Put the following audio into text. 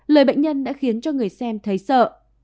lời bệnh nhân đã khiến cho người xem thấy sợ